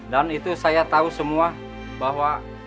dan itu saya tahu semua bahwa